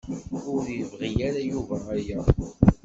Ur yebɣi ara Yuba aya.